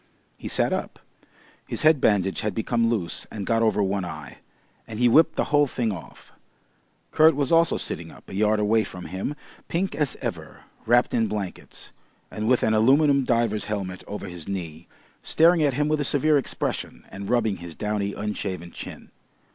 He sat up. His head bandage had become loose and got over one eye, and he whipped the whole thing off. Kurt was also sitting up, a yard away from him, pink as ever, wrapped in blankets, and with an aluminium diver's helmet over his knee, staring at him with a severe expression, and rubbing his downy unshaven chin.